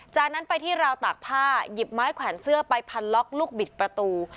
จากนั้นไปที่ราวตากผ้าหยิบไม้แขวนเสื้อไปพันล็อกลูกบิดประตู